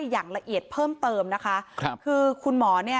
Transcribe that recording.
ต้องรอผลพิสูจน์จากแพทย์ก่อนนะคะ